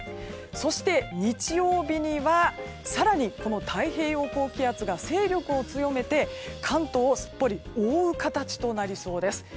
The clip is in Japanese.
そして日曜日には更に、この太平洋高気圧が勢力を強めて、関東をすっぽりと覆う形となりそうです。